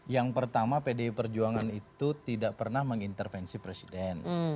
yang pertama pdi perjuangan itu tidak pernah mengintervensi presiden